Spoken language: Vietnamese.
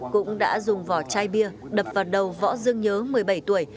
cũng đã dùng vỏ chai bia đập vào đầu võ dương nhớ một mươi bảy tuổi